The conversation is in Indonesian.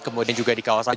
kemudian juga di kawasan